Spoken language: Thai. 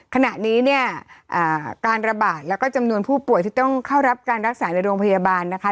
ขณะนี้เนี่ยการระบาดแล้วก็จำนวนผู้ป่วยที่ต้องเข้ารับการรักษาในโรงพยาบาลนะคะ